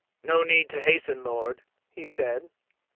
"No need to hasten, lord," he said.